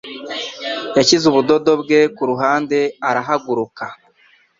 Yashyize ubudodo bwe ku ruhande arahaguruka.